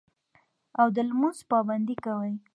او د لمونځ پابندي کوي